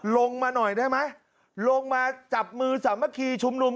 ลงมาหน่อยได้ไหมลงมาจับมือสามัคคีชุมนุม